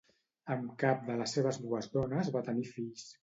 Amb cap de les seves dues dones va tenir fills.